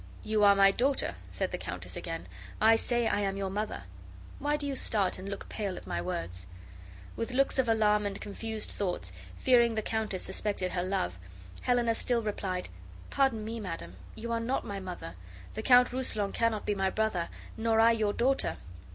"You are my daughter," said the countess again. "I say I am your mother. Why do you start and look pale at my words?" With looks of alarm and confused thoughts, fearing the countess suspected her love, Helena still replied, "Pardon me, madam, you are not my mother; the Count Rousillon cannot be my brother, nor I your daughter."